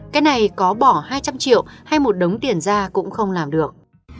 cái này có bỏ hai trăm linh triệu hay một đống tiền ra cũng không làm được